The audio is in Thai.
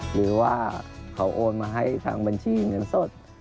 หรือว่าเขาโอนมาให้ทางบัญชีเงินสด